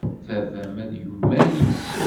Baba-m ad yumar yes-m.